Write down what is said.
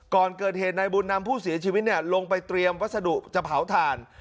ก่อนเกิดเหตุนายบุญนำผู้เสียชีวิตลงไปเตรียมวัสดุจะเผาถ่าน